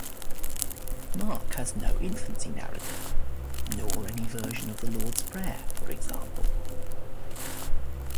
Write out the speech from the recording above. Mark has no infancy narrative nor any version of the Lord's Prayer, for example.